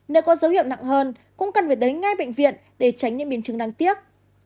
nếu có dấu hiệu nặng hơn cũng cần phải đến ngay bệnh viện để tránh những biến chứng đáng tiếc